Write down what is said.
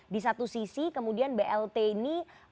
di satu sisi kemudian blt ini